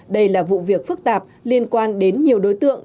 đây là vụ việc phức tạp liên quan đến nhiều đối tượng